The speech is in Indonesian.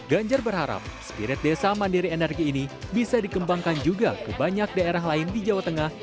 ganjar berharap spirit desa mandiri energi ini bisa dikembangkan juga ke banyak daerah lain di jawa tengah